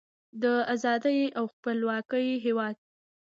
د ازادۍ او خپلواکۍ هیواد.